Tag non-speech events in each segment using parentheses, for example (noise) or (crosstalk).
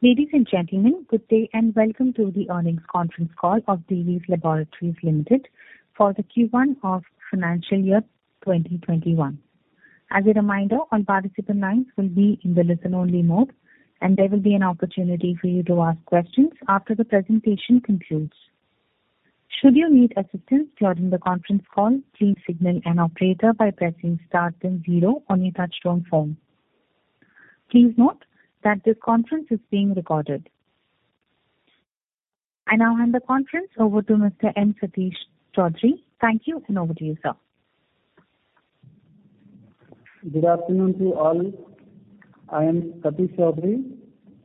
Ladies and gentlemen, good day and welcome to the earnings conference call of Divi's Laboratories Limited for the Q1 of financial year 2021. As a reminder, all participant lines will be in the listen only mode, and there will be an opportunity for you to ask questions after the presentation concludes. Should you need assistance during the conference call, please signal an operator by pressing star then zero on your touchtone phone. Please note that this conference is being recorded. I now hand the conference over to Mr. M. Satish Choudhury. Thank you, and over to you, sir. Good afternoon to you all. I am Satish Choudhury,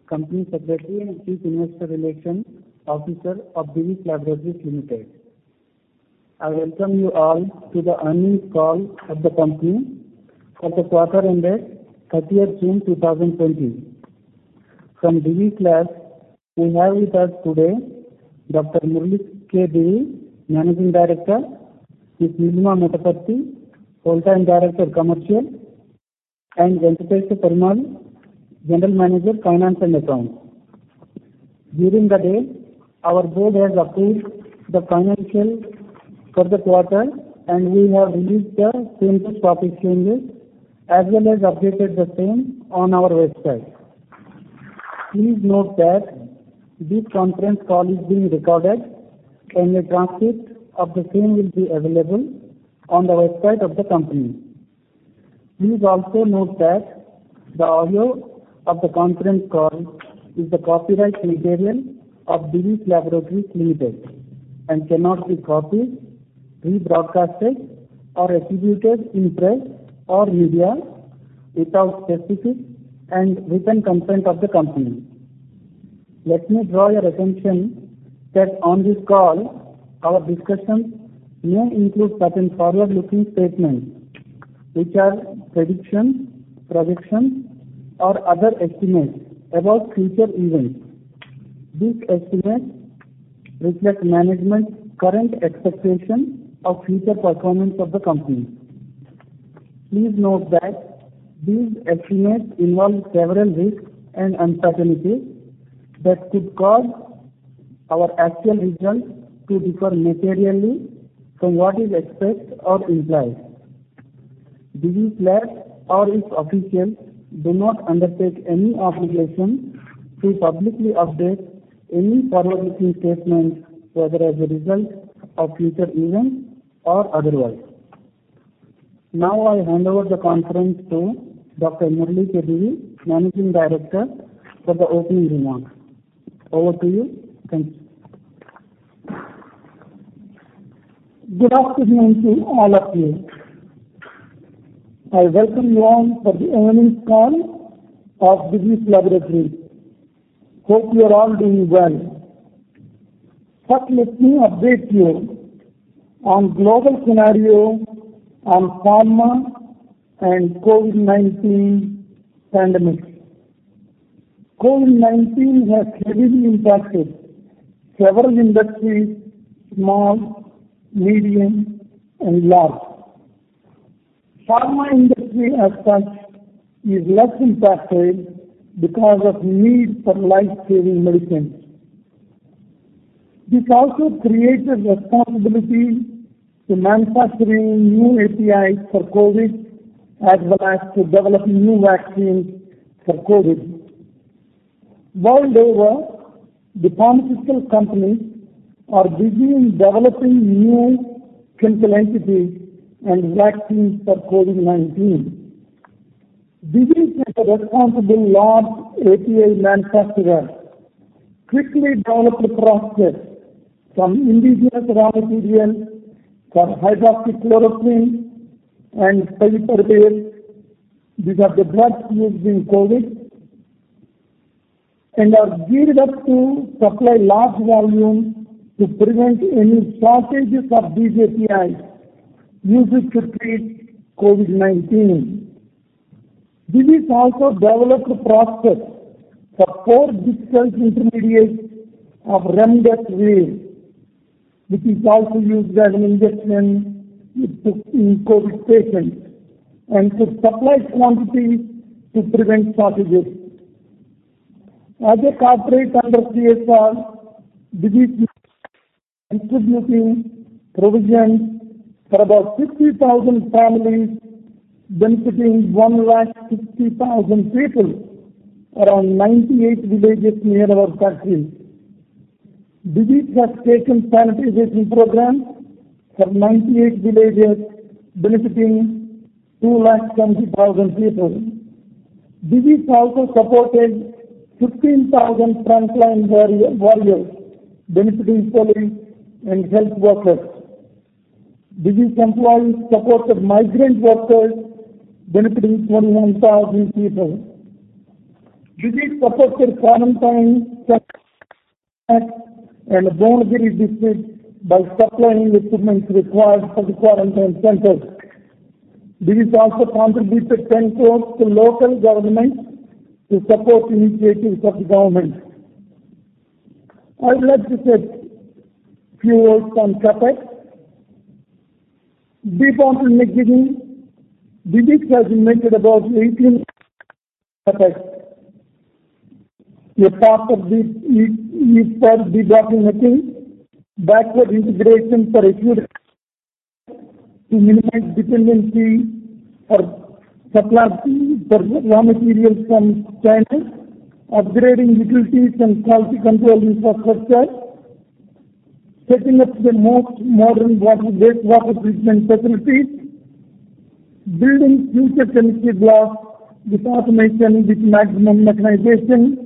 Company Secretary and Chief Investor Relations Officer of Divi's Laboratories Limited. I welcome you all to the earnings call of the company for the quarter ended June 30th, 2020. From Divi's Lab, we have with us today Dr. Murali K. Divi, Managing Director, Ms. Nilima Motaparti, Whole-Time Director of Commercial, and Venkatesa Perumallu, General Manager, Finance and Accounts. During the day, our board has approved the financial for the quarter, and we have released the same to stock exchanges as well as updated the same on our website. Please note that this conference call is being recorded and a transcript of the same will be available on the website of the company. Please also note that the audio of the conference call is the copyright material of Divi's Laboratories Limited and cannot be copied, rebroadcasted or attributed in press or media without specific and written consent of the company. Let me draw your attention that on this call, our discussions may include certain forward-looking statements, which are predictions, projections or other estimates about future events. These estimates reflect management's current expectation of future performance of the company. Please note that these estimates involve several risks and uncertainties that could cause our actual results to differ materially from what is expressed or implied. Divi's Lab or its officials do not undertake any obligation to publicly update any forward-looking statements, whether as a result of future events or otherwise. Now, I hand over the conference to Dr. Murali K. Divi, Managing Director for the opening remarks. Over to you. Thank you. Good afternoon to all of you. I welcome you all for the earnings call of Divi's Laboratories. Hope you're all doing well. First, let me update you on global scenario on pharma and COVID-19 pandemic. COVID-19 has heavily impacted several industries, small, medium, and large. Pharma industry as such is less impacted because of need for life-saving medicines. This also created responsibility to manufacturing new APIs for COVID as well as to developing new vaccines for COVID. World over, the pharmaceutical companies are busy in developing new chemical entities and vaccines for COVID-19. Divi's as a responsible large API manufacturer, quickly developed a process from indigenous raw material for hydroxychloroquine and favipiravir. These are the drugs used in COVID. Are geared up to supply large volume to prevent any shortages of these APIs used to treat COVID-19. Divi's also developed a process for four different intermediates of remdesivir, which is also used as an injection in COVID-19 patients, and to supply quantity to prevent shortages. As a corporate under CSR, Divi's contributing provisions for about 60,000 families benefiting 160,000 people around 98 villages near our factory. Divi's has taken sanitization programs for 98 villages benefiting 220,000 people. Divi's also supported 15,000 frontline warriors benefiting police and health workers. Divi's employees supported migrant workers benefiting 21,000 people. Divi's supported quarantine centers and Guntur district by supplying equipment required for the quarantine centers. Divi's also contributed INR 10 crore to local governments to support initiatives of the government. I would like to say few words on CapEx. Before we begin, Divi's has invested about 1,800 crores CapEx. A part of this is for debottlenecking, backward integration for a few to minimize dependency for supply of raw materials from China, upgrading utilities and quality control infrastructure, setting up the most modern wastewater treatment facilities, building future-ready blocks with automation, with maximum mechanization.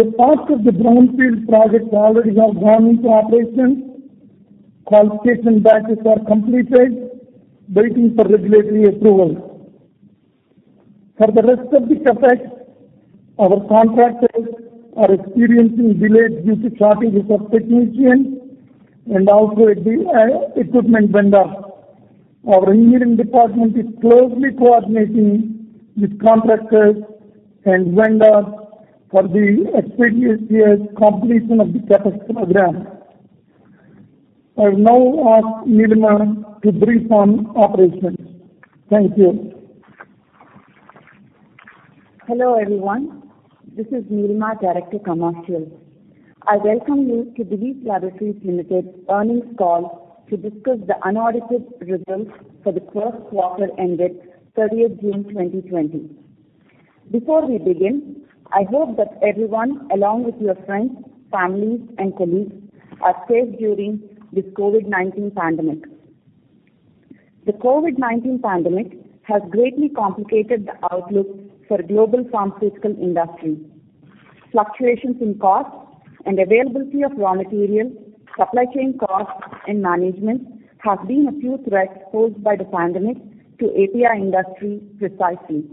A part of the brownfield projects already have gone into operation. Qualification batches are completed, waiting for regulatory approval. For the rest of the CapEx, our contractors are experiencing delays due to shortages of technicians and also equipment vendors. Our engineering department is closely coordinating with contractors and vendors for the expeditious completion of the CapEx program. I now ask Nilima to brief on operations. Thank you. Hello, everyone. This is Nilima, Director, Commercial. I welcome you to Divi’s Laboratories Limited earnings call to discuss the unaudited results for the first quarter ended June 30th, 2020. Before we begin, I hope that everyone, along with your friends, families, and colleagues, are safe during this COVID-19 pandemic. The COVID-19 pandemic has greatly complicated the outlook for global pharmaceutical industry. Fluctuations in costs and availability of raw materials, supply chain costs, and management have been a few threats posed by the pandemic to API industry precisely.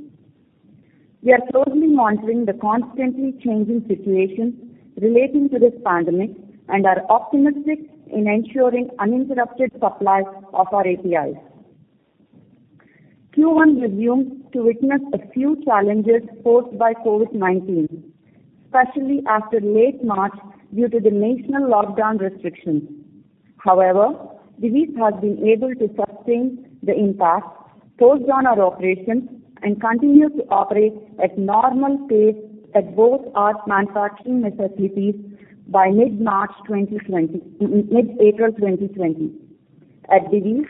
We are closely monitoring the constantly changing situation relating to this pandemic and are optimistic in ensuring uninterrupted supply of our APIs. Q1 resumed to witness a few challenges posed by COVID-19, especially after late March, due to the national lockdown restrictions. However, Divi's has been able to sustain the impact posed on our operations and continue to operate at normal pace at both our manufacturing facilities by mid-April 2020. At Divi's,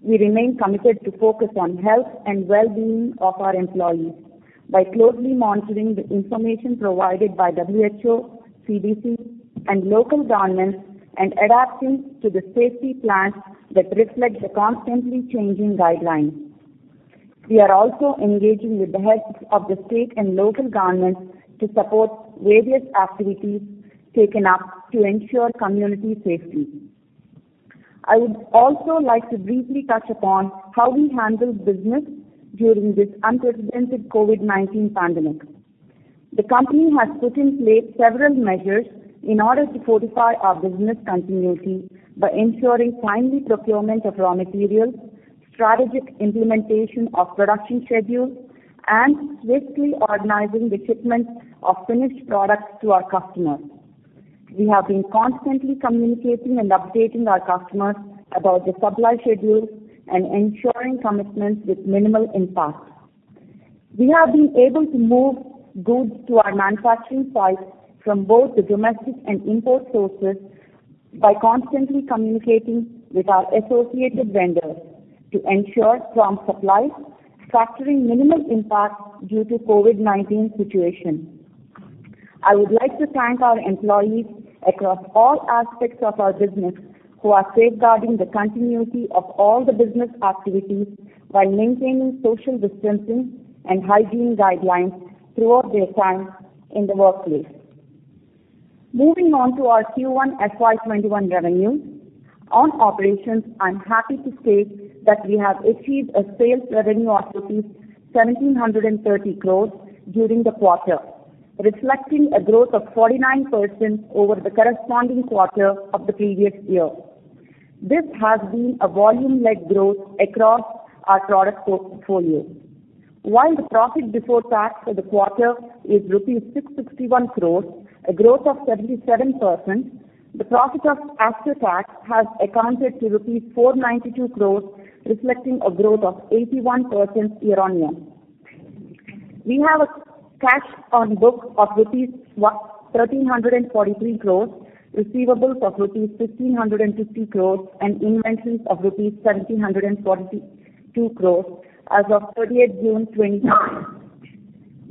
we remain committed to focus on health and well-being of our employees by closely monitoring the information provided by WHO, CDC, and local governments and adapting to the safety plans that reflect the constantly changing guidelines. We are also engaging with the help of the state and local governments to support various activities taken up to ensure community safety. I would also like to briefly touch upon how we handled business during this unprecedented COVID-19 pandemic. The company has put in place several measures in order to fortify our business continuity by ensuring timely procurement of raw materials, strategic implementation of production schedules, and swiftly organizing the shipment of finished products to our customers. We have been constantly communicating and updating our customers about the supply schedules and ensuring commitments with minimal impact. We have been able to move goods to our manufacturing sites from both the domestic and import sources by constantly communicating with our associated vendors to ensure prompt supplies, factoring minimal impact due to COVID-19 situation. I would like to thank our employees across all aspects of our business who are safeguarding the continuity of all the business activities while maintaining social distancing and hygiene guidelines throughout their time in the workplace. Moving on to our Q1 FY 2021 revenue. On operations, I'm happy to state that we have achieved a sales revenue of rupees 1,730 crore during the quarter, reflecting a growth of 49% over the corresponding quarter of the previous year. This has been a volume-led growth across our product portfolio. While the profit before tax for the quarter is rupees 661 crores, a growth of 37%, the profit after tax has accounted to rupees 492 crores, reflecting a growth of 81% year-on-year. We have a cash on book of rupees 1,343 crores, receivables of rupees 1,550 crores, and inventories of rupees 1,742 crores as of June 30th, 2020.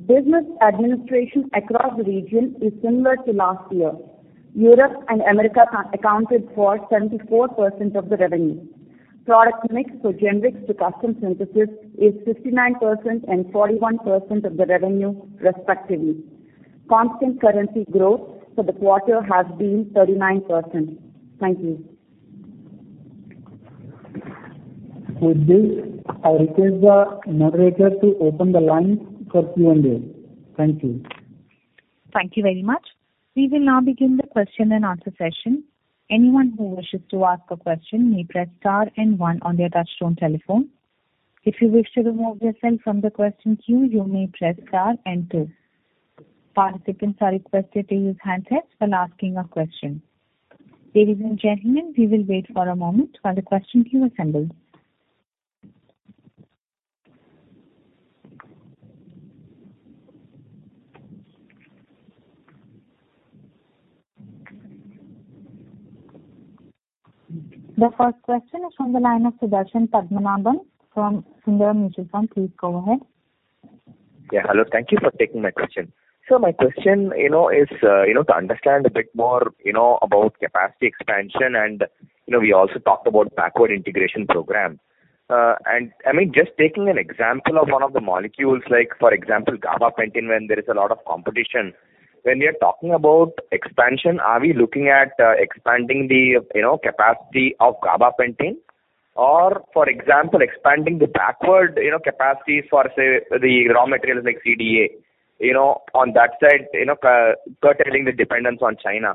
Business administration across the region is similar to last year. Europe and America accounted for 74% of the revenue. Product mix for generics to custom synthesis is 59% and 41% of the revenue, respectively. Constant currency growth for the quarter has been 39%. Thank you. With this, I request the moderator to open the lines for Q&A. Thank you. Thank you very much. We will now begin the question and answer session. Anyone who wishes to ask a question may press star one on their touchtone telephone. If you wish to remove yourself from the question queue, you may press star and two. Participants are requested to use handsets when asking a question. Ladies and gentlemen, we will wait for a moment while the question queue assembles. The first question is from the line of Sudarshan Padmanabhan from Sundaram Mutual Fund. Please go ahead. Yeah, hello. Thank you for taking my question. My question is to understand a bit more about capacity expansion and we also talked about backward integration program. Just taking an example of one of the molecules, for example, gabapentin, where there is a lot of competition. When we are talking about expansion, are we looking at expanding the capacity of gabapentin? Or, for example, expanding the backward capacity for, say, the raw materials like CDA. On that side, curtailing the dependence on China.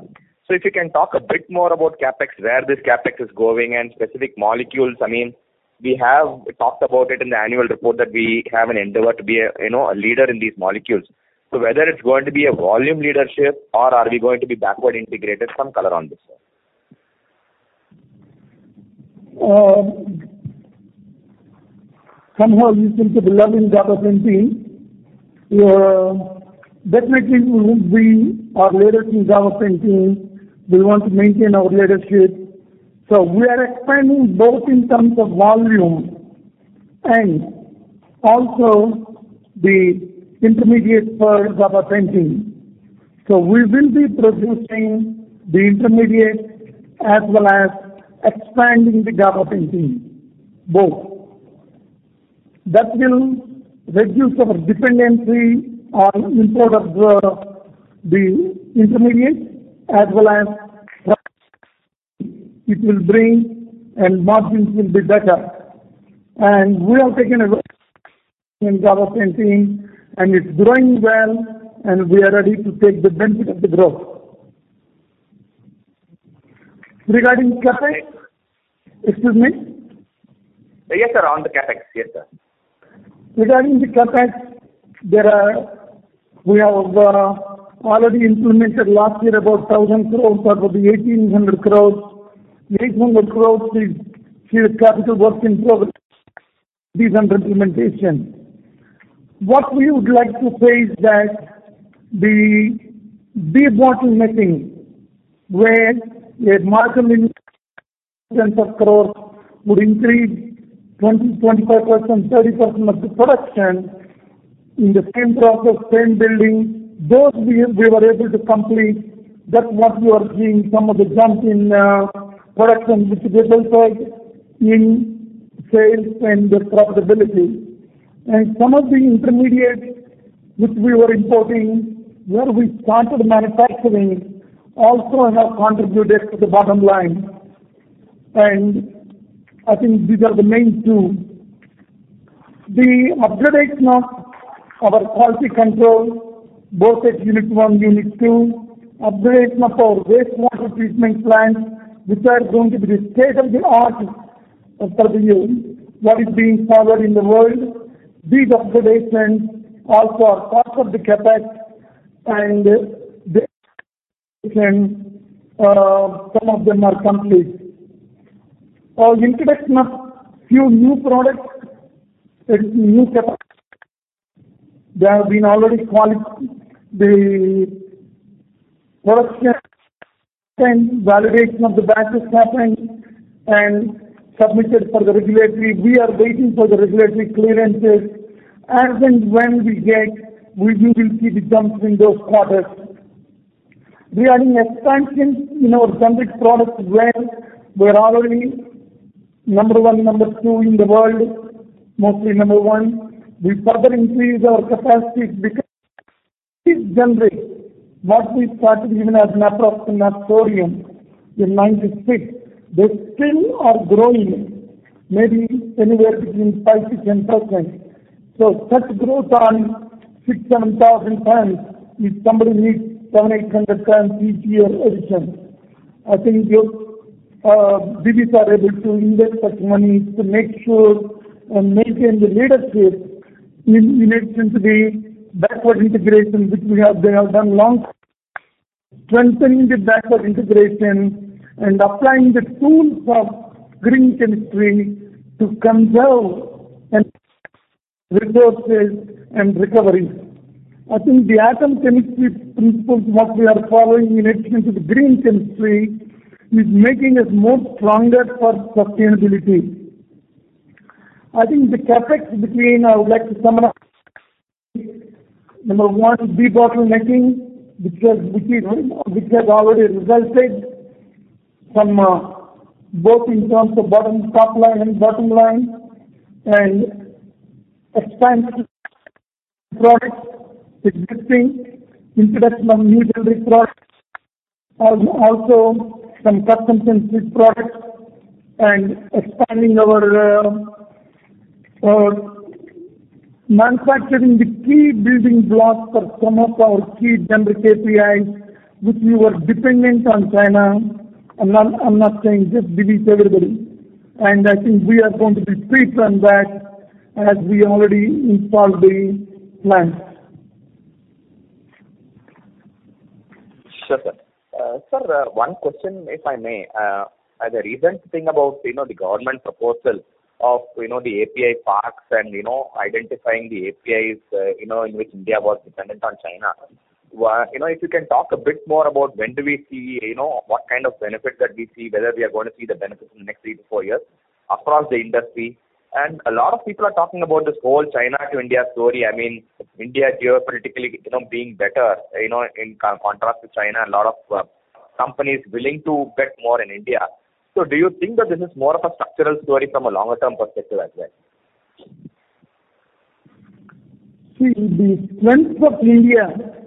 If you can talk a bit more about CapEx, where this CapEx is going and specific molecules. We have talked about it in the annual report that we have an endeavor to be a leader in these molecules. Whether it's going to be a volume leadership or are we going to be backward integrated? Some color on this. Somehow you seem to be loving gabapentin. Definitely we will be a leader in gabapentin. We want to maintain our leadership. We are expanding both in terms of volume and also the intermediate for gabapentin. We will be producing the intermediate as well as expanding the gabapentin, both. That will reduce our dependency on import of the intermediate as well as margins will be better. We have taken a in gabapentin and it's growing well, and we are ready to take the benefit of the growth. Regarding CapEx. Excuse me? Yes, sir. On the CapEx. Yes, sir. Regarding the CapEx, we have already implemented last year about 1,000 crores out of the 1,800 crores. 800 crores is still capital work in progress. These are implementations. What we would like to say is that the debottlenecking where a marginal [tens of] crores would increase 20%, 25%, 30% of the production in the same process, same building. Those we were able to complete. That's what you are seeing some of the jump in production, which resulted in sales and the profitability. Some of the intermediates which we were importing, where we started manufacturing, also have contributed to the bottom line. I think these are the main two. The upgradation of our quality control, both at unit one, unit two, upgradation of our wastewater treatment plant, which are going to be the state of the art for the year, what is being followed in the world. These upgradations also are part of the CapEx and some of them are complete. Our introduction of few new products. The production validation of the batch is happening and submitted for the regulatory. We are waiting for the regulatory clearances. As and when we get, you will see the jumps in those products. We are in expansion in our generic products where we're already number one, number two in the world, mostly number one. We further increase our capacities because what we started even as naproxen and tiotropium in 1996, they still are growing maybe anywhere between 5%-10%. Such growth on 6,000-7,000 times is somebody who is 700-800 times each year addition. I think Divi's are able to invest that money to make sure and maintain the leadership in addition to the backward integration, which they have done long Strengthening the backward integration and applying the tools of green chemistry to conserve and resources and recovery. I think the atom economy principles, what we are following in addition to the green chemistry, is making us more stronger for sustainability. I think the CapEx between, I would like to summarize number one, debottlenecking, which has already resulted from both in terms of top line and bottom line, and expansion products existing, introduction of new generic products, and also some custom synthesis products and expanding our manufacturing the key building blocks for some of our key generic APIs, which we were dependent on China. I'm not saying just Divi's, everybody. I think we are going to be free from that as we already installed the plants. Sure, sir. Sir, one question, if I may. The recent thing about the government proposal of the API parks and identifying the APIs in which India was dependent on China. If you can talk a bit more about when do we see, what kind of benefit that we see, whether we are going to see the benefits in the next three to four years across the industry. A lot of people are talking about this whole China to India story. India geopolitically being better in contrast to China. A lot of companies willing to bet more in India. Do you think that this is more of a structural story from a longer-term perspective as well? The strength of India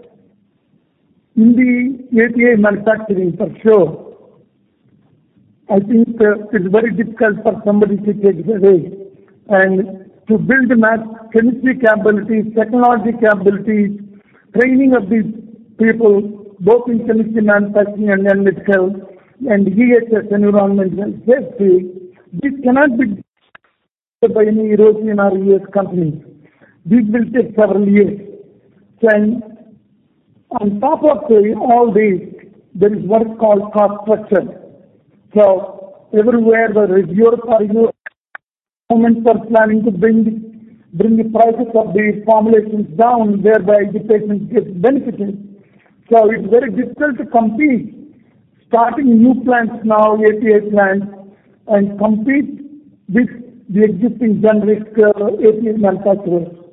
in the API manufacturing, for sure, I think it's very difficult for somebody to take it away and to build chemistry capabilities, technology capabilities, training of these people both in chemistry manufacturing and medical, and EHS, environmental safety. This cannot be by any European or U.S. company. This will take several years. On top of all this, there is what is called cost structure. Everywhere there is Europe or governments are planning to bring the prices of these formulations down, whereby the patient is benefiting. It's very difficult to compete, starting new plants now, API plants, and compete with the existing generic API manufacturers.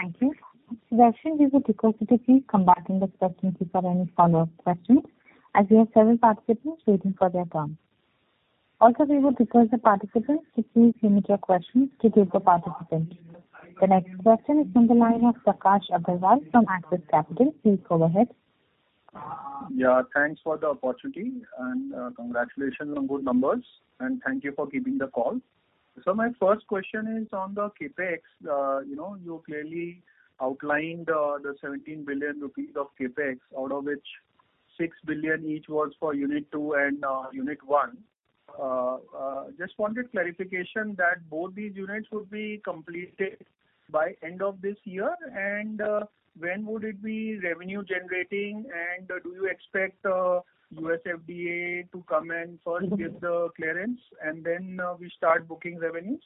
Thank you. Actually, we would request you to please come back in the question queue for any follow-up questions as we have several participants waiting for their turn. We would request the participants to please limit your questions to give the participants. The next question is from the line of Prakash Agarwal from Axis Capital. Please go ahead. Thanks for the opportunity and congratulations on good numbers and thank you for keeping the call. My first question is on the CapEx. You clearly outlined the 17 billion rupees of CapEx, out of which 6 billion each was for Unit 2 and Unit 1. Just wanted clarification that both these units would be completed by end of this year and when would it be revenue generating and do you expect U.S. FDA to come and first give the clearance and then we start booking revenues?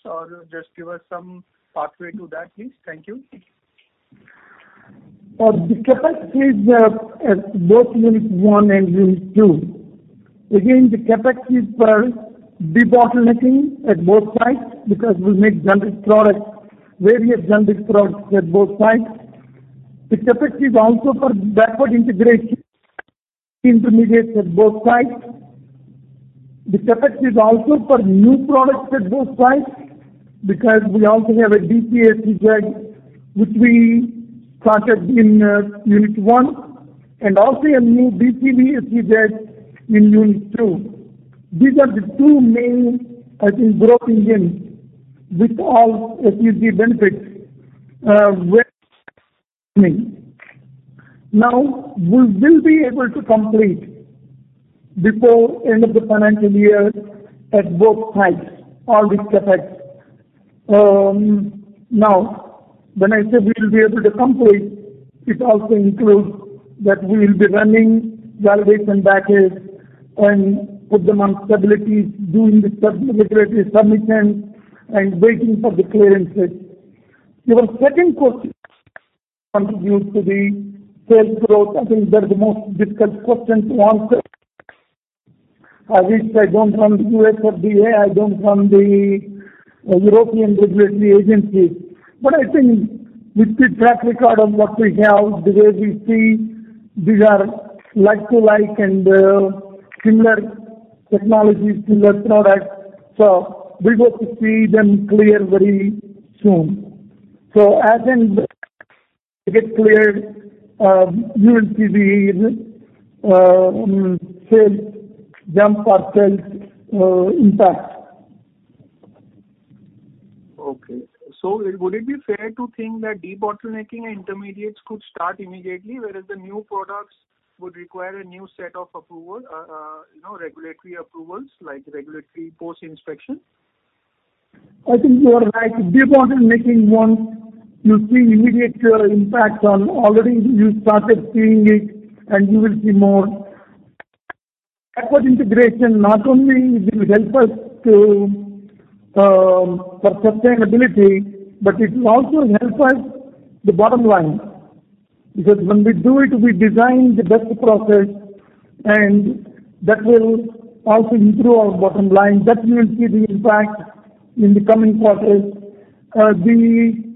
Just give us some pathway to that, please. Thank you. The CapEx is at both Unit 1 and Unit 2. Again, the CapEx is for debottlenecking at both sites because we make generic products, various generic products at both sites. The CapEx is also for backward integration intermediates at both sites. The CapEx is also for new products at both sites because we also have a DC-SEZ, which we started in Unit 1, and also a new DCV-SEZ in Unit 2. These are the two main, I think, growth engines with all SEZ benefits. We will be able to complete before end of the financial year at both sites, all these CapEx. When I say we will be able to complete, it also includes that we will be running validation batches and put them on stability, doing the regulatory submissions, and waiting for the clearances. Your second question contribute to the sales growth. I think that is the most difficult question to answer. I wish I don't run U.S. FDA, I don't run the European Regulatory Agency. I think with the track record of what we have, the way we see these are like to like and similar technologies, similar products. We hope to see them clear very soon. As and get cleared, you will see the sales jump or sales impact. Okay. Would it be fair to think that debottlenecking intermediates could start immediately, whereas the new products would require a new set of regulatory approvals, like regulatory post inspection? I think you are right. Debottlenecking one, you'll see immediate impact on. Already you started seeing it, you will see more. Backward integration, not only it will help us for sustainability, but it will also help us the bottom line. Because when we do it, we design the best process, that will also improve our bottom line. That we will see the impact in the coming quarters. The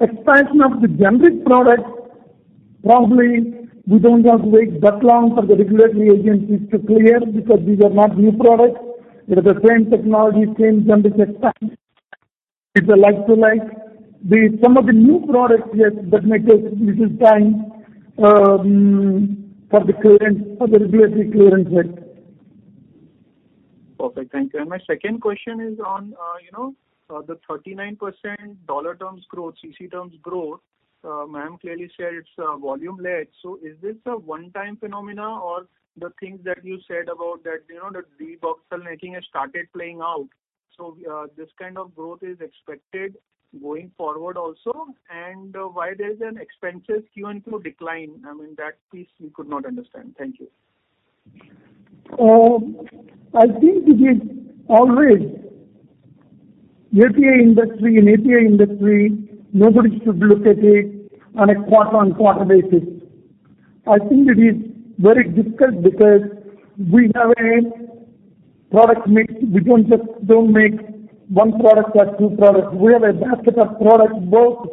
expansion of the generic products, probably we don't have to wait that long for the regulatory agencies to clear because these are not new products. They're the same technology, same generic expansion. It's a like to like. Some of the new products, yes, that may take little time for the regulatory clearance bit. Perfect. Thank you. My second question is on the 39% dollar terms growth, CC terms growth. Ma'am clearly said it's volume led. Is this a one-time phenomenon or the things that you said about that de-bottlenecking has started playing out, this kind of growth is expected going forward also? Why there is an expenses QoQ decline? I mean, that piece we could not understand. Thank you. I think it is always API industry. In API industry, nobody should look at it on a quarter on quarter basis. I think it is very difficult because we have a product mix. We don't make one product or two products. We have a basket of products, both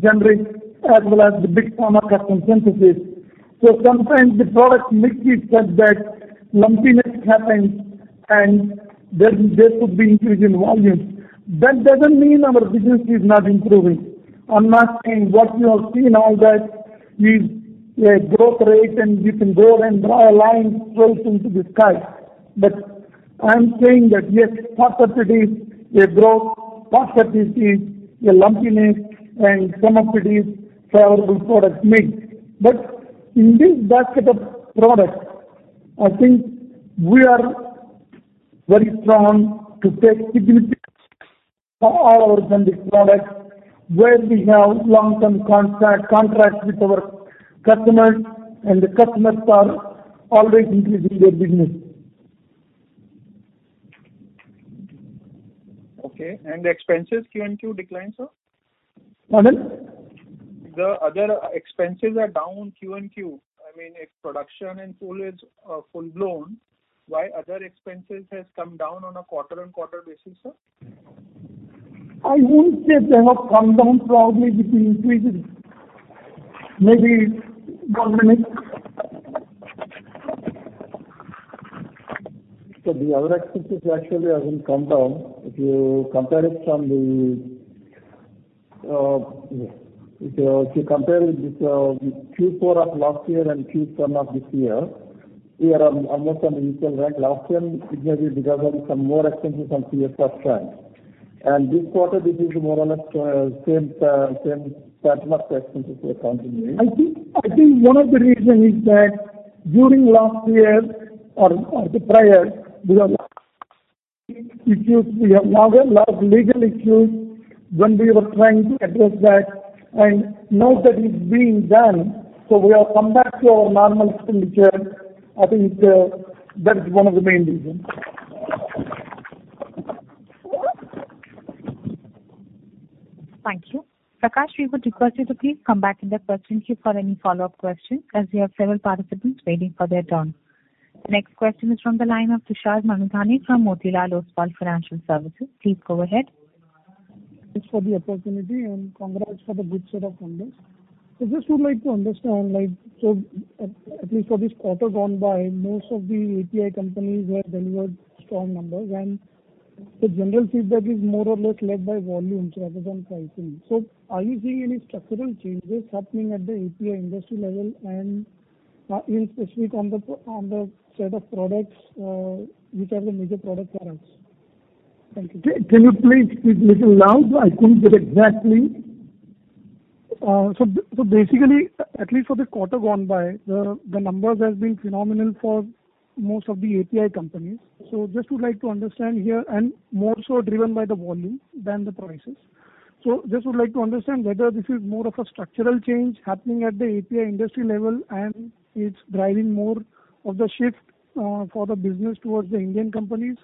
generics as well as the big pharma custom synthesis. Sometimes the product mix is such that lumpiness happens and there could be increase in volume. That doesn't mean our business is not improving. I'm not saying what you have seen all that is a growth rate, and you can go and draw a line straight into the sky. I am saying that, yes, part of it is a growth, part of it is a lumpiness, and some of it is favorable product mix. In this basket of products, I think we are very strong to say it will be all our generic products where we have long-term contracts with our customers, and the customers are always increasing their business. Okay. The expenses QoQ decline, sir? Pardon? The other expenses are down QoQ. I mean, if production and full is full-blown, why other expenses has come down on a quarter-on-quarter basis, sir? I wouldn't say they have come down. Probably it is increasing. Sir, the other expenses actually haven't come down. If you compare it with Q4 of last year and Q1 of this year, we are almost on a usual run. Last year, it may be because of some more expenses on CSR front. This quarter, this is more or less same. Pretty much the expenses were continuing. I think one of the reason is that during last year or the prior, we had legal issues. When we were trying to address that, and now that is being done. We have come back to our normal expenditure. I think that is one of the main reasons. Thank you. Prakash, we would request you to please come back in the question queue for any follow-up question, as we have several participants waiting for their turn. Next question is from the line of Tushar Manudhane from Motilal Oswal Financial Services. Please go ahead. Thanks for the opportunity and congrats for the good set of numbers. I just would like to understand, at least for this quarter gone by, most of the API companies have delivered strong numbers, and the general feedback is more or less led by volumes rather than pricing. Are you seeing any structural changes happening at the API industry level and in specific on the set of products? Which are the major product for us? Thank you. Can you please speak little loud? I couldn't get exactly. Basically, at least for this quarter gone by, the numbers have been phenomenal for most of the API companies. Just would like to understand here and more so driven by the volume than the prices. Just would like to understand whether this is more of a structural change happening at the API industry level, and it's driving more of the shift for the business towards the Indian companies,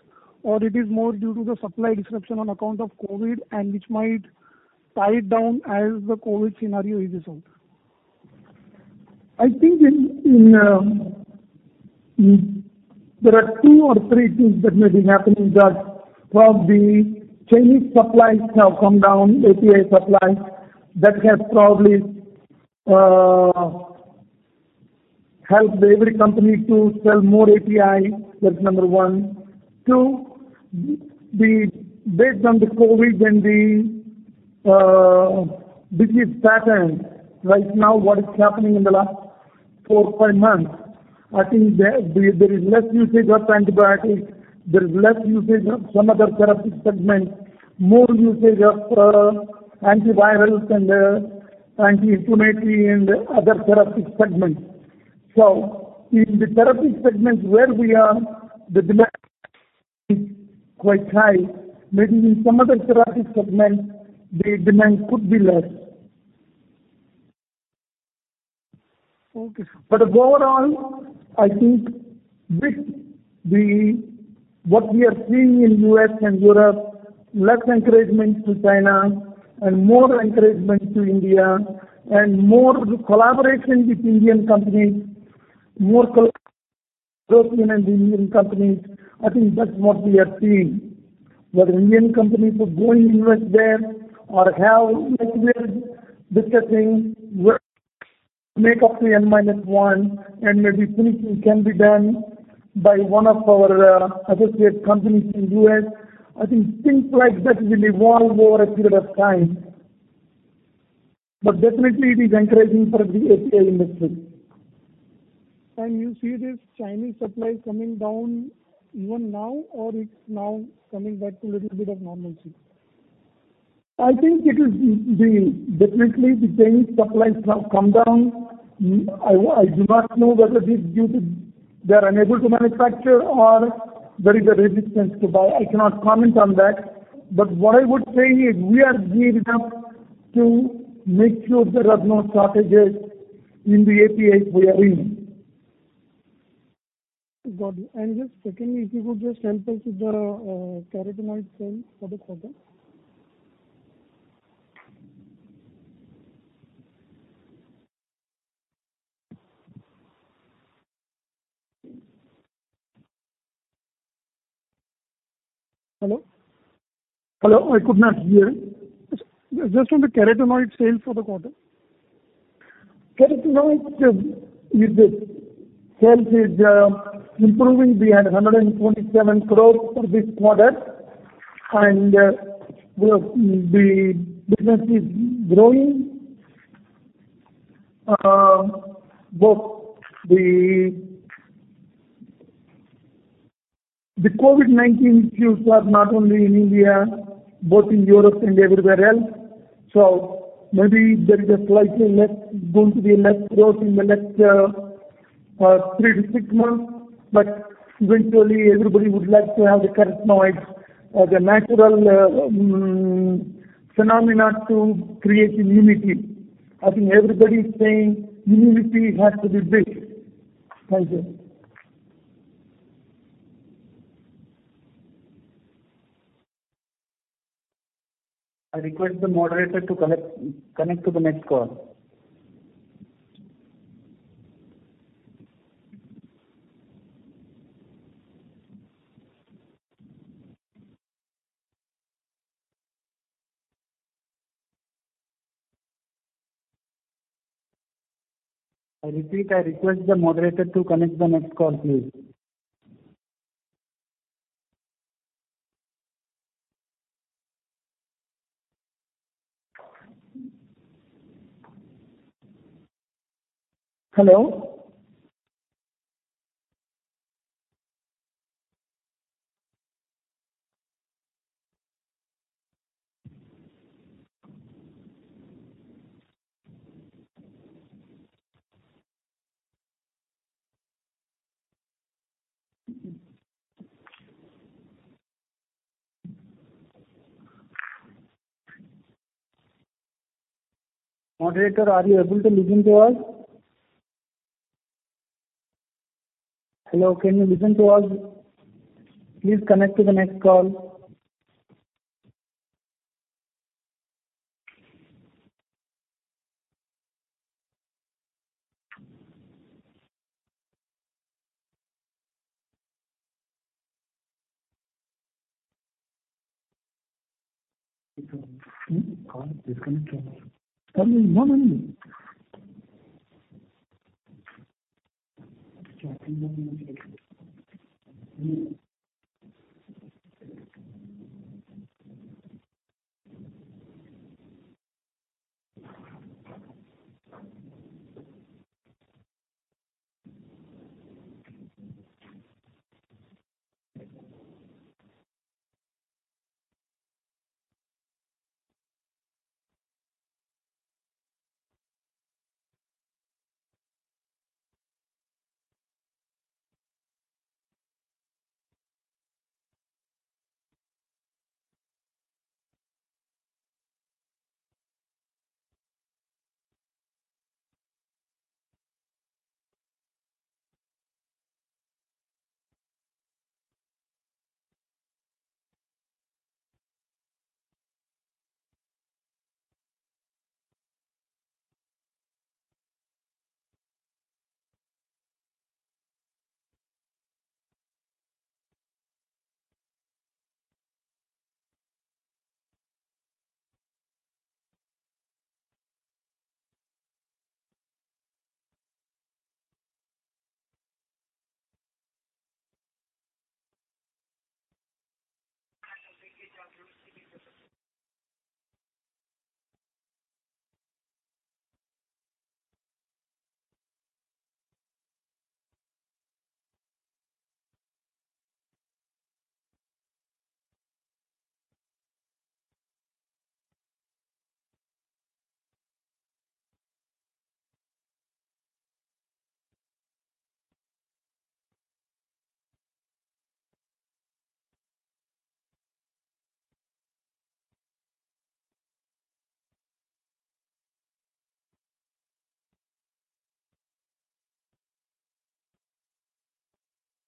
or it is more due to the supply disruption on account of COVID, and which might tie it down as the COVID scenario eases out. I think there are two or three things that may be happening there. One, the Chinese supplies have come down, API supplies. That has probably helped every company to sell more API. That's number one. Two, based on the COVID and the disease pattern right now, what is happening in the last four, five months, I think there is less usage of antibiotics, there is less usage of some other therapeutic segments, more usage of antivirals and anti-inflammatory and other therapeutic segments. In the therapeutic segments where we are, the demand is quite high. Maybe in some other therapeutic segment, the demand could be less. Okay. Overall, I think with what we are seeing in U.S. and Europe, less encouragement to China and more encouragement to India, and more collaboration with Indian companies, more collaboration European and Indian companies. I think that's what we are seeing. Whether Indian companies would go in U.S. there or have discussing where- Make up to N minus one, and maybe finishing can be done by one of our associate companies in U.S. I think things like that will evolve over a period of time. Definitely, it is encouraging for the API industry. You see this Chinese supply coming down even now, or it's now coming back to a little bit of normalcy? I think it is being definitely the Chinese supplies have come down. I do not know whether this is due to they're unable to manufacture or there is a resistance to buy. I cannot comment on that. What I would say is we are geared up to make sure there are no shortages in the API we are in. Got it. Just secondly, if you could just help us with the carotenoid sales for the quarter. Hello? Hello, I could not hear. Just on the carotenoid sales for the quarter. Carotenoid sales is improving. We had 127 crores for this quarter and the business is growing. Both the COVID-19 issues are not only in India, but in Europe and everywhere else. Maybe there is going to be less growth in the next three to six months, but eventually everybody would like to have the carotenoids or the natural phenomena to create immunity. I think everybody is saying immunity has to be built. Thank you. I request the moderator to connect to the next call. I repeat, I request the moderator to connect the next call, please. Hello? are you able to listen to us? Hello, can you listen to us? Please connect to the next call.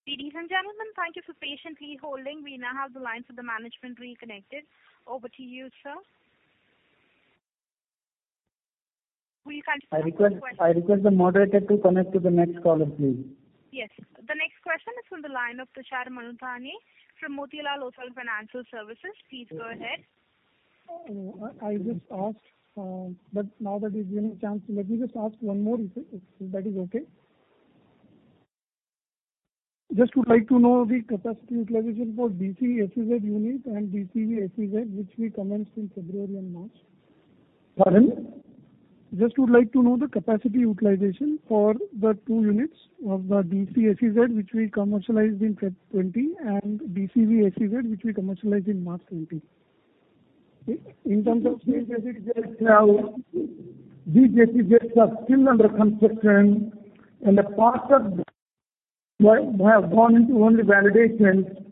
Ladies and gentlemen, thank you for patiently holding. We now have the lines of the management reconnected. Over to you, sir. We can't hear your question. I request the moderator to connect to the next caller, please. Yes. On the line of Tushar Manudhane from Motilal Oswal Financial Services, please go ahead. I just asked, but now that he's given me a chance, let me just ask one more if that is okay. Just would like to know the capacity utilization for DC-SEZ unit and DCV-SEZ, which we commenced in February and March. Pardon? Just would like to know the capacity utilization for the two units of the DC-SEZ, which we commercialized in Feb 2020, and DCV-SEZ, which we commercialized in March 2020. In terms of DC-SEZ, these SEZs are still under construction, a part of have gone into only validation,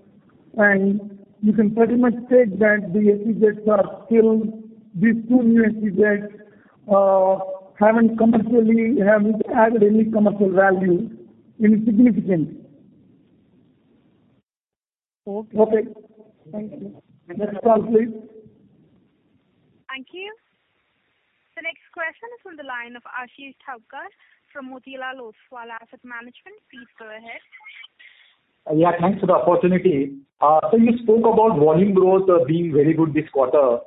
you can pretty much take that the SEZs are still, these two new SEZs haven't added any commercial value. Okay. Thank you. Next call, please. Thank you. The next question is on the line of Ashish Thavkar from Motilal Oswal Asset Management. Please go ahead. Yeah, thanks for the opportunity. Sir, you spoke about volume growth being very good this quarter.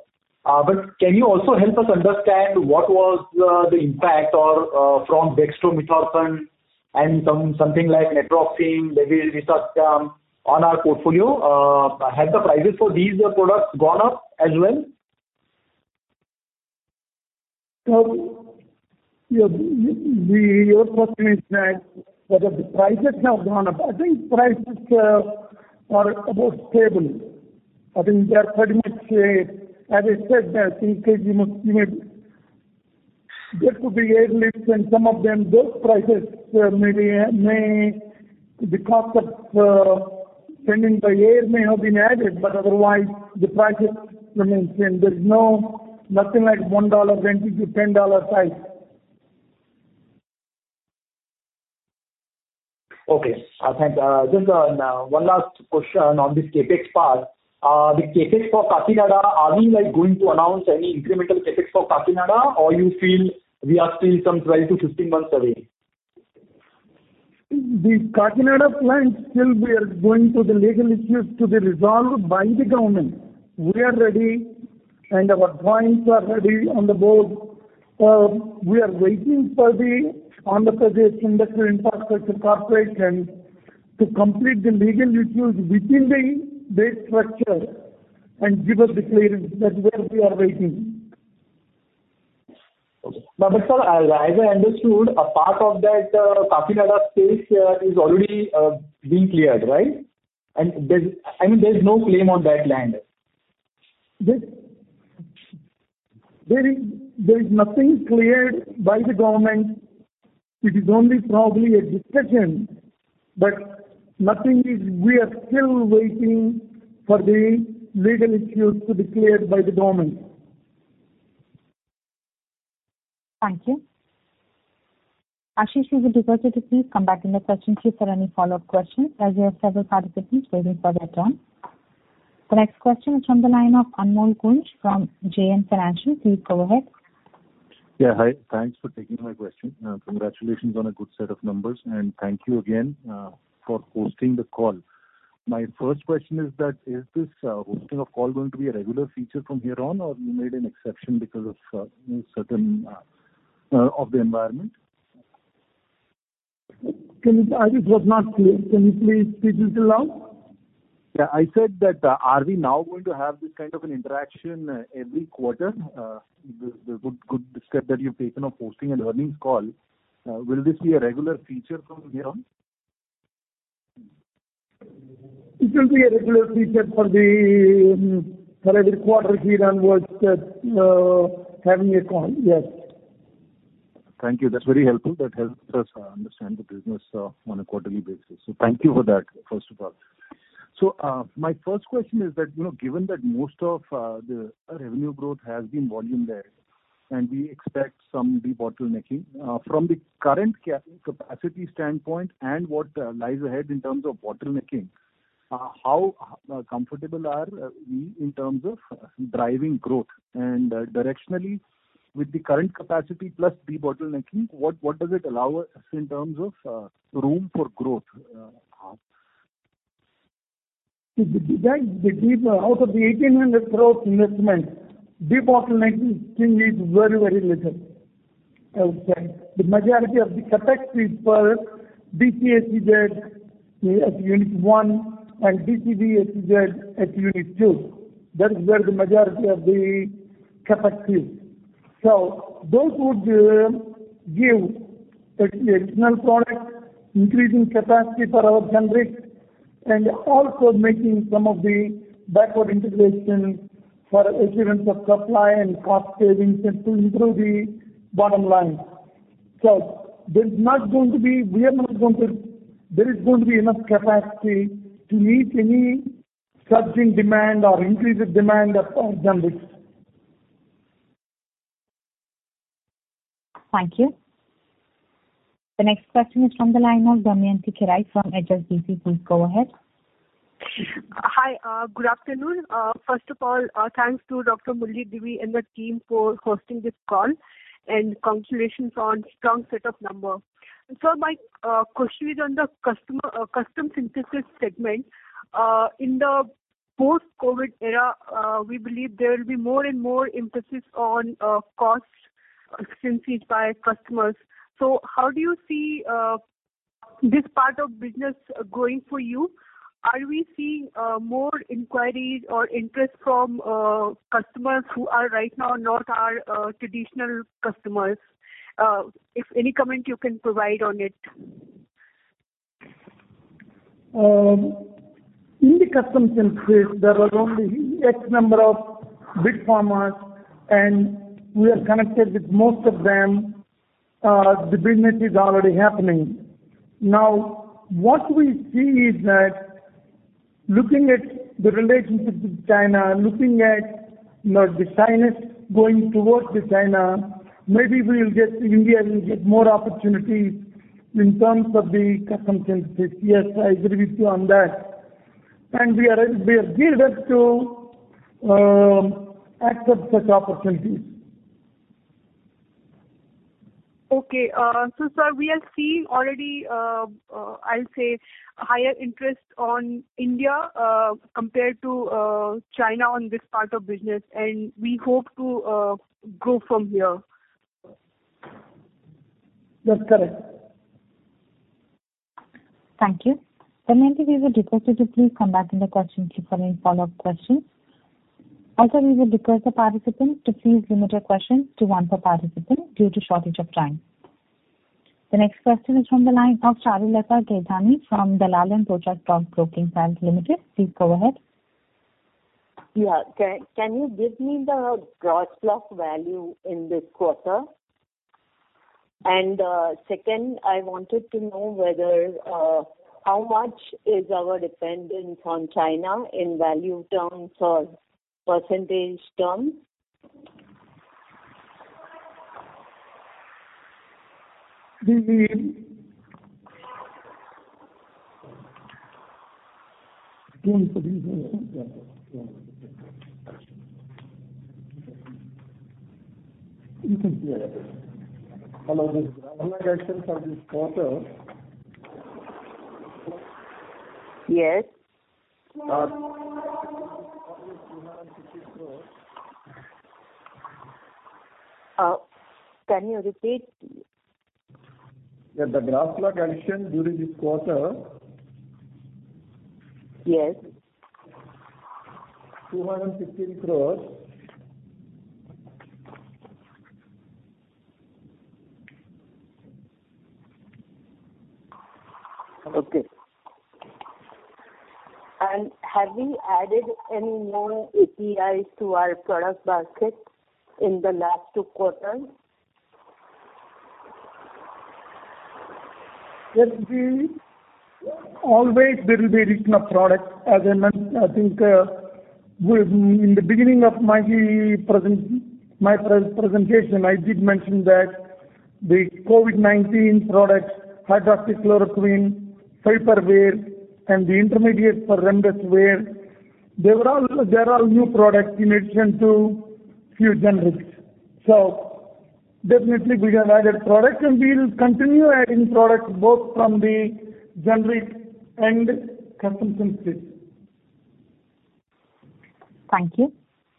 Can you also help us understand what was the impact from dextromethorphan and something like naproxen, maybe levetiracetam, on our portfolio? Have the prices for these products gone up as well? Your question is that whether the prices have gone up. I think prices are about stable. I think they are pretty much as I said that in case you may get to the air lifts and some of them, those prices may, because of pending the air may have been added, but otherwise, the prices remain same. There's nothing like $1 went into $10 price. Okay. Thanks. Just one last question on this CapEx part. The CapEx for Kakinada, are you going to announce any incremental CapEx for Kakinada, or you feel we are still some 12-15 months away? The Kakinada plant, still we are going to the legal issues to be resolved by the government. Our drawings are ready on the board. We are waiting for the Andhra Pradesh Industrial Infrastructure Corporation to complete the legal issues within the base structure and give us the clearance. That's where we are waiting. Okay. Sir, as I understood, a part of that Kakinada space is already being cleared, right? I mean, there's no claim on that land. There is nothing cleared by the government. It is only probably a discussion, but we are still waiting for the legal issues to be cleared by the government. Thank you. Ashish, if you do go to please come back in the question queue for any follow-up questions, as we have several participants waiting for their turn. The next question is from the line of Anmol Ganjoo from JM Financial. Please go ahead. Yeah, hi. Thanks for taking my question. Congratulations on a good set of numbers, and thank you again for hosting the call. My first question is that, is this hosting of call going to be a regular feature from here on, or you made an exception because of the environment? I was not clear. Can you please speak a little loud? Yeah, I said that, are we now going to have this kind of an interaction every quarter? The good step that you've taken of hosting an earnings call, will this be a regular feature from here on? It will be a regular feature for every quarter herein, with having a call. Yes. Thank you. That is very helpful. That helps us understand the business on a quarterly basis. Thank you for that, first of all. My first question is that, given that most of the revenue growth has been volume there, and we expect some debottlenecking. From the current capacity standpoint and what lies ahead in terms of bottlenecking, how comfortable are we in terms of driving growth? Directionally, with the current capacity plus debottlenecking, what does it allow us in terms of room for growth? Out of the 1,800 crore investment, debottlenecking thing is very little. Okay. The majority of the CapEx is for DC-SEZ at Unit 1 and DCV-SEZ at Unit 1. That is where the majority of the CapEx is. Those would give additional product, increasing capacity for our generics, and also making some of the backward integration for assurance of supply and cost savings and to improve the bottom line. There is going to be enough capacity to meet any surging demand or increased demand of our generics. Thank you. The next question is from the line of Damayanti Kerai from HSBC. Please go ahead. Hi. Good afternoon. First of all, thanks to Dr. Murali Divi and the team for hosting this call, congratulations on strong set of number. Sir, my question is on the custom synthesis segment. In the post-COVID era, we believe there will be more and more emphasis on cost efficiencies by customers. How do you see this part of business going for you? Are we seeing more inquiries or interest from customers who are right now not our traditional customers? If any comment you can provide on it. In the custom synthesis, there were only X number of big pharmas, and we are connected with most of them. The business is already happening. Now, what we see is that looking at the relationship with China, looking at the Chinese going towards China, maybe India will get more opportunities in terms of the custom synthesis. Yes, I agree with you on that. We are geared up to accept such opportunities. Sir, we are seeing already, I'll say, higher interest on India compared to China on this part of business, and we hope to grow from here. That's correct. Thank you. Kindly we will request you to please come back in the question queue for any follow-up questions. We will request the participants to please limit your questions to one per participant due to shortage of time. The next question is from the line of Charulata Gaidhani from Dalal & Broacha Stock Broking Pvt. Ltd.. Please go ahead. Yeah. Can you give me the gross block value in this quarter? Second, I wanted to know how much is our dependence on China in value terms or percentage terms? (inaudible) this gross block additions for this quarter. Yes. INR 250 crores. Can you repeat? That the gross block addition during this quarter- Yes. INR 250 crores. Okay. Have we added any more APIs to our product basket in the last two quarters? Always there will be a mix of products. As I mentioned, I think in the beginning of my presentation, I did mention that the COVID-19 products, hydroxychloroquine, favipiravir, and the intermediate for remdesivir, they're all new products in addition to few generics. Definitely we have added products, and we will continue adding products both from the generic and custom synthesis. Thank you.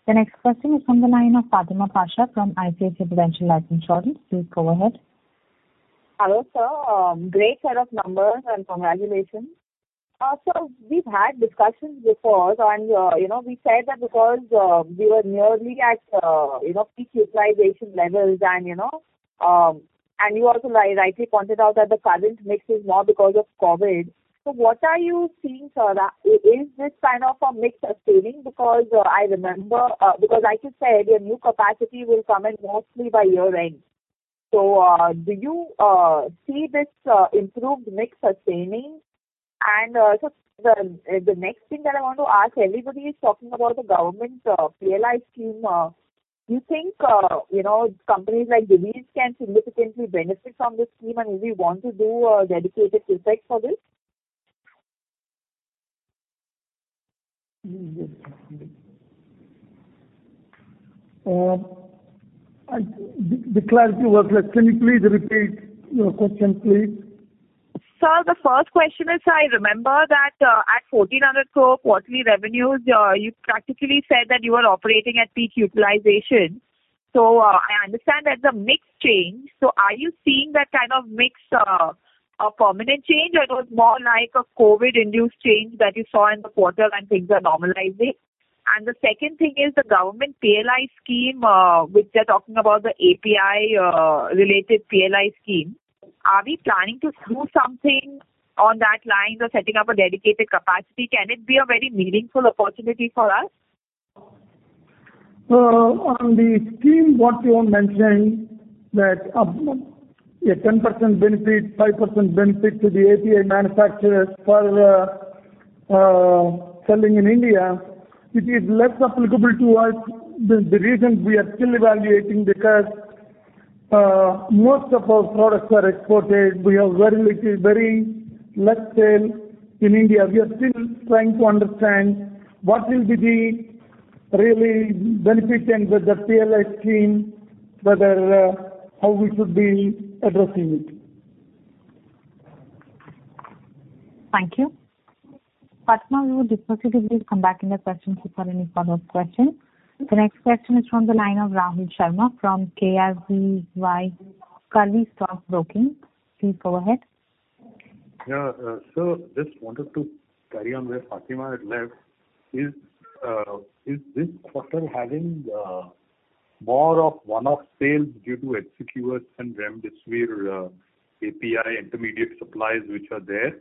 The next question is from the line of Fatima Pacha from ICICI Prudential Life Insurance. Please go ahead. Hello, sir. Great set of numbers and congratulations. Sir, we've had discussions before and we said that because we were nearly at peak utilization levels, and you also rightly pointed out that the current mix is more because of COVID-19. What are you seeing, sir? Is this kind of a mix sustaining? Because like you said, your new capacity will come in mostly by year-end. Do you see this improved mix sustaining? Sir, the next thing that I want to ask, everybody is talking about the government PLI scheme. Do you think companies like Divi's can significantly benefit from this scheme, and we want to do a dedicated CapEx for this? The clarity was less. Can you please repeat your question, please? Sir, the first question is, I remember that at 1,400 crore quarterly revenues, you practically said that you are operating at peak utilization. I understand there's a mix change. Are you seeing that kind of mix a permanent change, or it's more like a COVID-induced change that you saw in the quarter and things are normalizing? The second thing is the government PLI scheme, which they're talking about the API-related PLI scheme. Are we planning to do something on that line or setting up a dedicated capacity? Can it be a very meaningful opportunity for us? On the scheme what you have mentioned, that a 10% benefit, 5% benefit to the API manufacturers for selling in India, it is less applicable to us. The reason we are still evaluating because most of our products are exported. We have very little sale in India. We are still trying to understand what will be really beneficial with the PLI scheme, how we should be addressing it. Thank you. Fatima, we would request you to please come back in the question queue for any follow-up questions. The next question is from the line of Rahul Sharma from Karvy Stock Broking. Please go ahead. Yeah. Sir, just wanted to carry on where Fatima had left. Is this quarter having more of one-off sales due to HCQ and remdesivir API intermediate supplies which are there?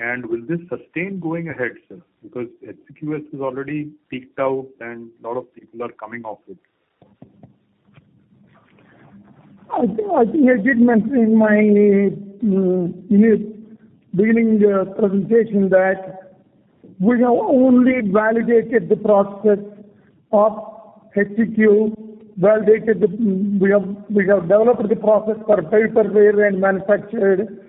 Will this sustain going ahead, sir, because HCQ is already peaked out and a lot of people are coming off it? I think I did mention in my beginning presentation that we have only validated the process of HCQ. We have developed the process for favipiravir and manufactured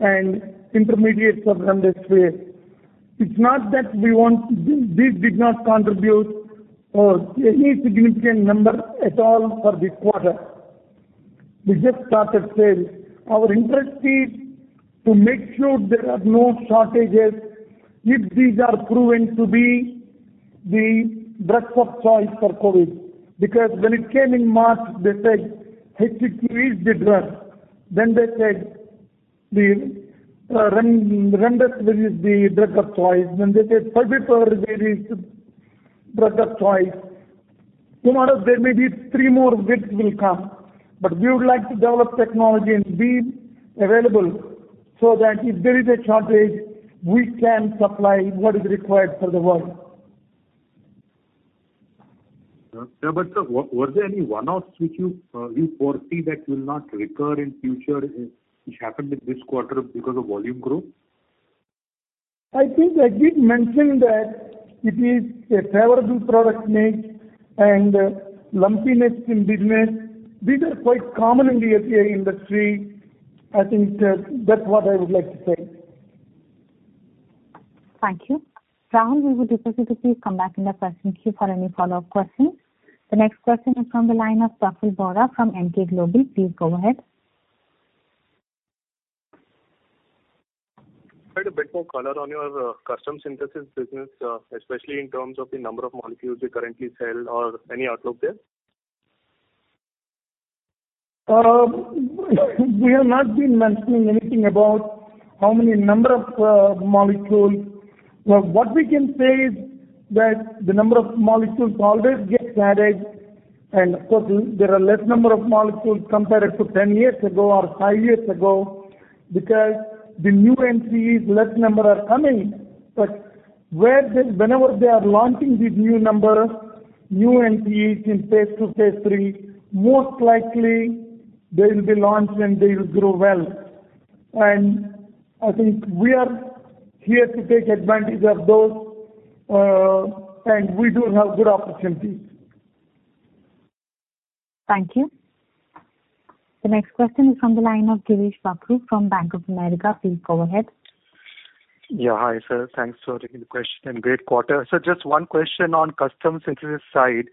an intermediate for remdesivir. These did not contribute for any significant number at all for this quarter. We just started sales. Our interest is to make sure there are no shortages if these are proven to be the drugs of choice for COVID-19, because when it came in March, they said HCQ is the drug. They said remdesivir is the drug of choice. They said favipiravir is the drug of choice. Tomorrow, there may be three more drugs will come, we would like to develop technology and be available so that if there is a shortage, we can supply what is required for the world. Yeah. Sir, was there any one-offs which you foresee that will not recur in future, which happened in this quarter because of volume growth? I think I did mention that it is a favorable product mix and lumpiness in business. These are quite common in the API industry. I think that's what I would like to say. Thank you. Rahul, we would request you to please come back in the question queue for any follow-up questions. The next question is from the line of Praful Bohra from Emkay Global. Please go ahead. Could you add a bit more color on your custom synthesis business, especially in terms of the number of molecules you currently sell or any outlook there? We have not been mentioning anything about how many number of molecules. What we can say is that the number of molecules always gets added, and of course, there are less number of molecules compared to 10 years ago or five years ago because the new NCEs, less number are coming. Whenever they are launching these new number, new NCEs in phase II, phase III, most likely they will be launched and they will grow well. I think we are here to take advantage of those, and we do have good opportunities. Thank you. The next question is from the line of Girish Bakhru from Bank of America. Please go ahead. Yeah. Hi, sir. Thanks for taking the question, and great quarter. Sir, just one question on custom synthesis side.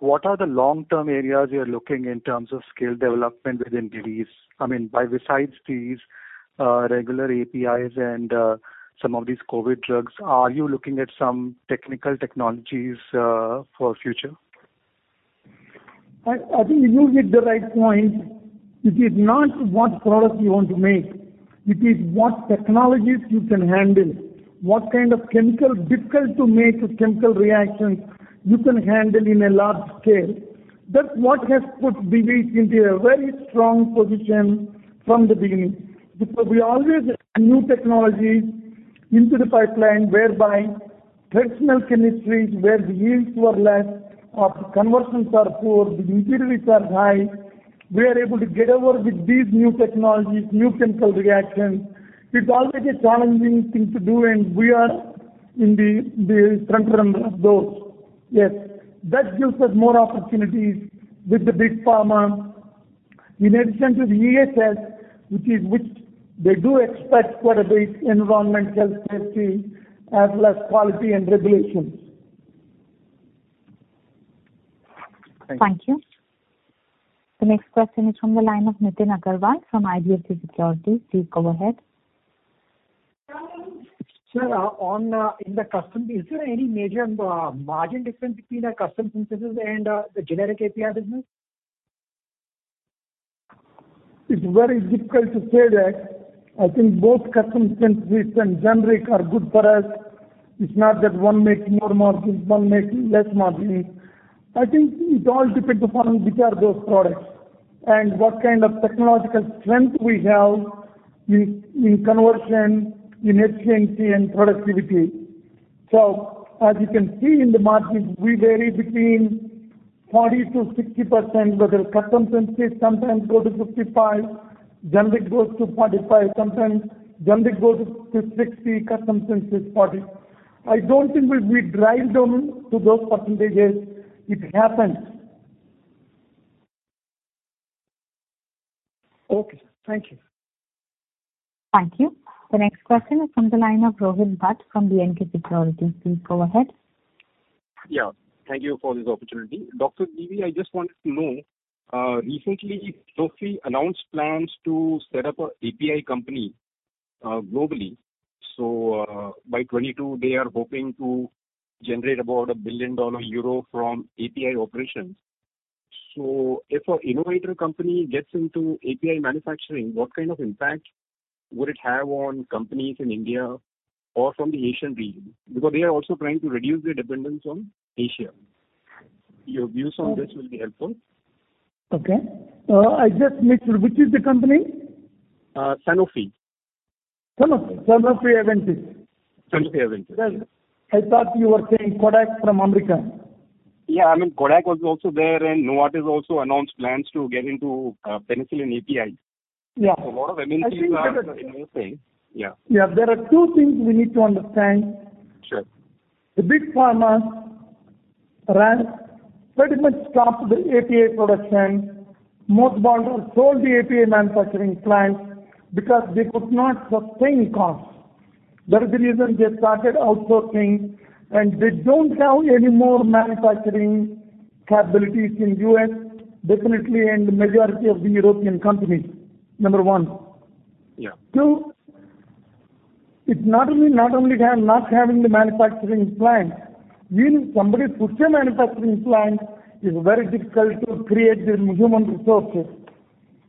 What are the long-term areas you're looking in terms of skill development within Divi's? I mean, besides these regular APIs and some of these COVID drugs, are you looking at some technical technologies for future? I think you hit the right point. It is not what product you want to make. It is what technologies you can handle, what kind of difficult-to-make chemical reactions you can handle in a large scale. That's what has put Divi's into a very strong position from the beginning. We always add new technologies into the pipeline, whereby traditional chemistries where the yields were less or the conversions are poor, the impurities are high, we are able to get over with these new technologies, new chemical reactions. It's always a challenging thing to do, and we are in the front runner of those. Yes. That gives us more opportunities with the big pharma. In addition to the EHS, which they do expect quite a bit, environmental safety, as well as quality and regulations. Thank you. Thank you. The next question is from the line of Nitin Agarwal from IDFC Securities. Please go ahead. Sir, in the custom, is there any major margin difference between the custom synthesis and the generic API business? It's very difficult to say that. I think both custom synthesis and generic are good for us. It's not that one makes more margin, one makes less margin. I think it all depends upon which are those products and what kind of technological strength we have in conversion, in efficiency, and productivity. As you can see in the margin, we vary between 40%-60%, whether custom synthesis sometimes go to 55%, generic goes to 45%. Sometimes generic goes to 60%, custom synthesis 40%. I don't think we'll drive down to those percentages. It happens. Okay. Thank you. Thank you. The next question is from the line of Rohit Bhat from the B&K Securities. Please go ahead. Yeah. Thank you for this opportunity. Dr. Divi, I just wanted to know, recently Sanofi announced plans to set up an API company globally. By 2022, they are hoping to generate about a billion-dollar euro from API operations. If an innovator company gets into API manufacturing, what kind of impact would it have on companies in India or from the Asian region? They are also trying to reduce their dependence on Asia. Your views on this will be helpful. Okay. I just make sure, which is the company? Sanofi. Sanofi? Sanofi-Aventis. Sanofi-Aventis. Well, I thought you were saying Kodak from America. Yeah, Kodak was also there. Novartis also announced plans to get into penicillin APIs. Yeah. A lot of (inaudible) are in USA. Yeah. Yeah. There are two things we need to understand. Sure. The Big Pharma pretty much stopped the API production. Most bought or sold the API manufacturing plants because they could not sustain costs. That is the reason they started outsourcing. They don't have any more manufacturing capabilities in U.S., definitely, and the majority of the European companies. Number one. Yeah. Two, it's not only not having the manufacturing plant. Even somebody puts a manufacturing plant, it's very difficult to create the human resources.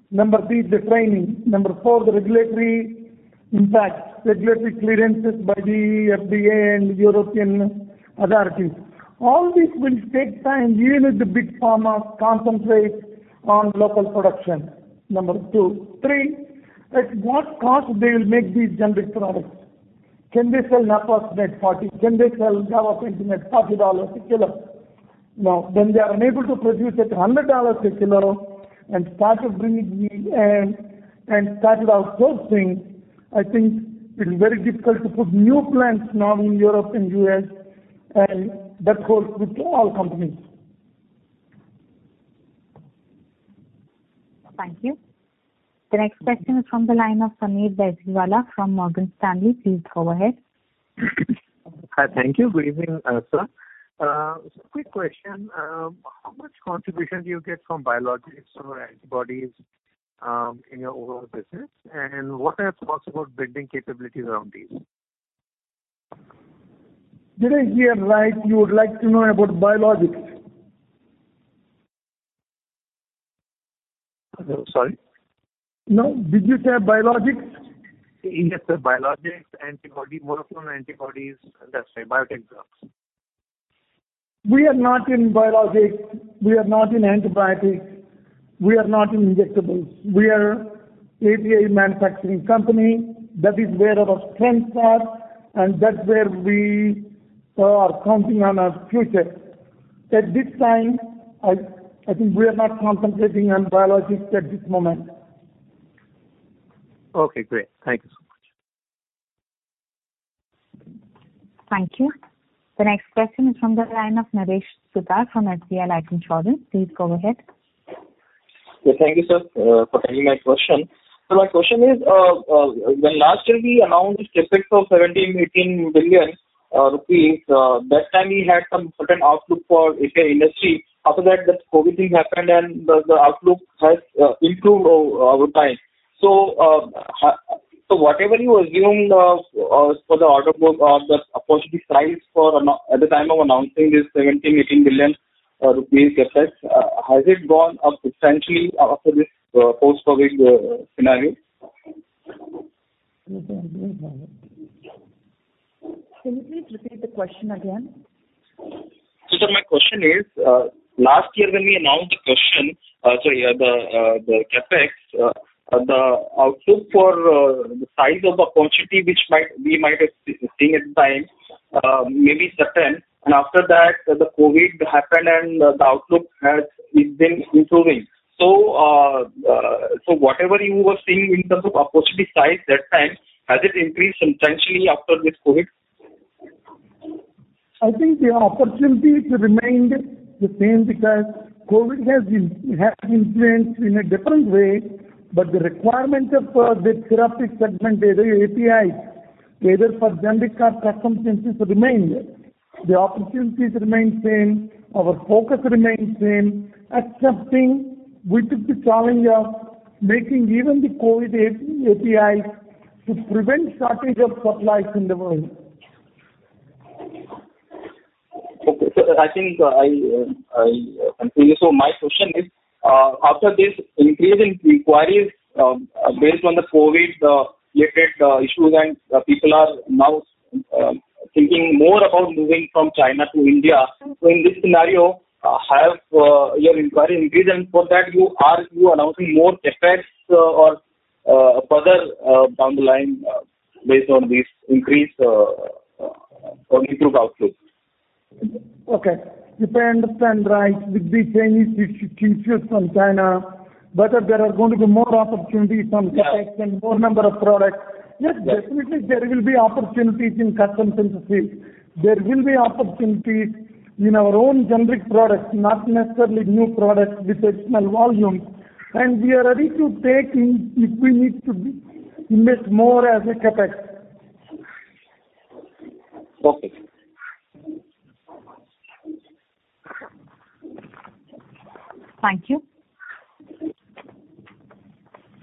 Number three, the training. Number four, the regulatory impact. Regulatory clearances by the FDA and European authorities. All these will take time, even if the Big Pharma concentrates on local production. Number two. three, at what cost they will make these generic products? Can they sell naproxen at $40? Can they sell carprofen at $40 a kilo? Now, when they are unable to produce at $100 a kilo and started bringing in and started outsourcing, I think it is very difficult to put new plants now in Europe and U.S., and that holds with all companies. Thank you. The next question is from the line of Sameer Baisiwala from Morgan Stanley. Please go ahead. Hi. Thank you. Good evening, sir. Just a quick question. How much contribution do you get from biologics or antibodies in your overall business, and what are your thoughts about building capabilities around these? Did I hear right? You would like to know about biologics. Sorry. No. Did you say biologics? Yes, sir. Biologics, antibody, monoclonal antibodies, that's right, biotech drugs. We are not in biologics. We are not in antibiotics. We are not in injectables. We are API manufacturing company. That is where our strengths are, and that's where we are counting on our future. At this time, I think we are not concentrating on biologics at this moment. Okay, great. Thank you so much. Thank you. The next question is from the line of Naresh Suthar from SBI Life Insurance. Please go ahead. Yes, thank you, sir, for taking my question. My question is, when last year we announced CapEx of 17 billion-18 billion rupees, that time we had some certain outlook for API industry. After that, this COVID thing happened, and the outlook has improved over time. Whatever you assumed for the order book or the opportunity price at the time of announcing this 17 billion-18 billion rupees CapEx, has it gone up substantially after this post-COVID scenario? Can you please repeat the question again? Sir, my question is, last year when we announced the CapEx, the outlook for the size of opportunity which we might have seen at time may be certain, and after that, the COVID happened and the outlook has been improving. Whatever you were seeing in terms of opportunity size that time, has it increased substantially after this COVID? I think the opportunity remained the same because COVID has influenced in a different way, but the requirement of the therapeutic segment, either APIs, either for generic or custom synthesis remained. The opportunities remained same. Our focus remained same. Excepting, we took the challenge of making even the COVID APIs to prevent shortage of supplies in the world. Okay. Sir, I think I'm clear. My question is, after this increase in inquiries, based on the COVID-19-related issues and people are now thinking more about moving from China to India. In this scenario, have your inquiry increased? For that, are you announcing more CapEx or further down the line based on this increase or improved outlook? Okay. If I understand right, with the Chinese issues from China, whether there are going to be more opportunities on CapEx? Yeah. More number of products. Yes, definitely there will be opportunities in custom synthesis. There will be opportunities in our own generic products, not necessarily new products with additional volume. We are ready to take in if we need to invest more as a CapEx. Perfect. Thank you.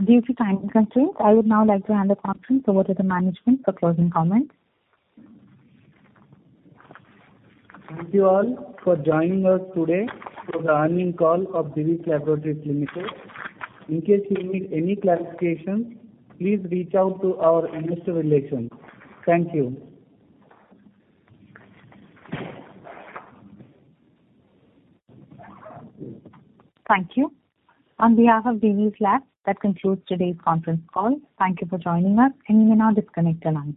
Due to time constraints, I would now like to hand the conference over to the management for closing comments. Thank you all for joining us today for the earning call of Divi's Laboratories Limited. In case you need any clarifications, please reach out to our investor relations. Thank you. Thank you. On behalf of Divi's Laboratories, that concludes today's conference call. Thank you for joining us, and you may now disconnect your lines.